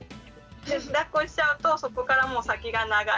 だっこしちゃうとそこからもう先が長い。